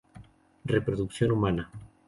Reproducción humana.